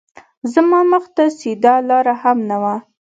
زما مخ ته سیده لار هم نه وه